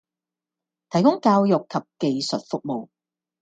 提供教育及技術服務